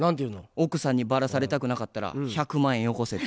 「奥さんにバラされたくなかったら１００万円よこせ」って。